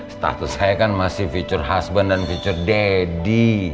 status saya kan masih future husband dan future daddy